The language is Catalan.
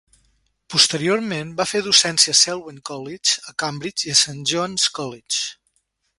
Posteriorment va fer docència al Selwyn College, a Cambridge i al Saint John's College.